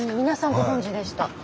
皆さんご存じでした。